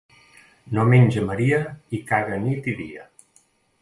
No menja, Maria, i caga nit i dia.